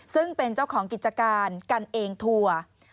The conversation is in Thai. ซึ่งเป็นเจ้าของกิจการกันเองทัวร์